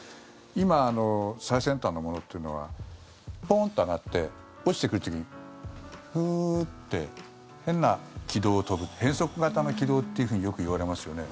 今、最先端のものというのはポーンと上がって落ちてくる時にフーッて変な軌道を飛ぶ変則型の軌道というふうによくいわれますよね。